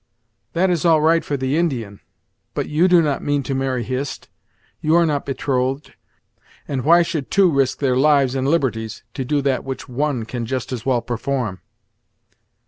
"That is all right for the Indian but you do not mean to marry Hist you are not betrothed, and why should two risk their lives and liberties, to do that which one can just as well perform?"